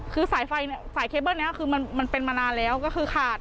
คือสายไฟสายเคเบิ้ลนี้คือมันเป็นมานานแล้วก็คือขาด